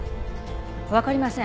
わかりません